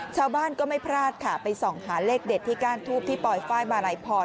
ชาวบ้านก็ไม่พลาดค่ะไปส่องหาเลขเด็ดที่ก้านทูบที่ปลอยไฟลมาลัยพร